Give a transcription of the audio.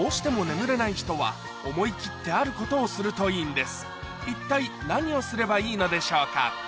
どうしても一体何をすればいいのでしょうか？